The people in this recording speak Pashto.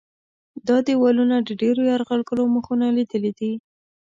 دا دیوالونه د ډېرو یرغلګرو مخونه لیدلي دي.